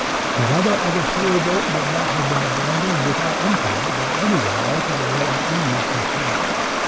The rudder of a sail boat would not have been abandoned, without inquiry, by one altogether at ease in heart.